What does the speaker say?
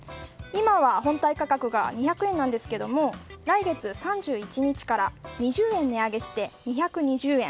今は本体価格が２００円なんですが来月３１日から２０円値上げして２２０円